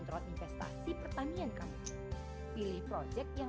terus sampai sekarang itu masih berlaku